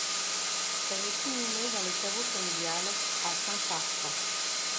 Elle est inhumée dans le caveau familial, à Saint-Chartres.